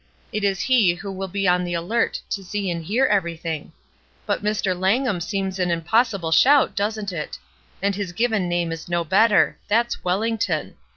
It is he who will be on the alert to see and hear everything. But 'Mister Langham' seems an impossible shout, doesn't it? And his given name is no better; that's 'Welhngton.'